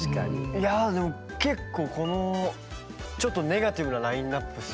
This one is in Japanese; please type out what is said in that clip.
いやでも結構このちょっとネガティブなラインナップっすよね。